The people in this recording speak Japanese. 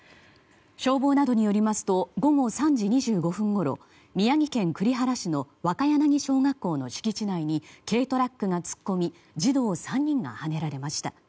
消防などによりますと午後３時２５分ごろ宮城県栗原市の若柳小学校の敷地内に軽トラックが突っ込み児童３人がはねられました。